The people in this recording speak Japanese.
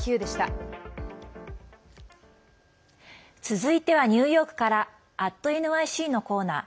続いては、ニューヨークから「＠ｎｙｃ」のコーナー。